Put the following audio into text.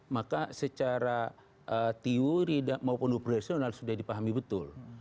maka secara teori maupun profesional sudah dipahami betul